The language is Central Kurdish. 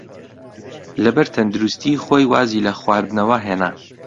لەبەر تەندروستیی خۆی وازی لە خواردنەوە هێنا.